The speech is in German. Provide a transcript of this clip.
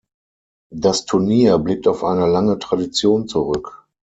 Das Turnier blickt auf eine lange Tradition zurück.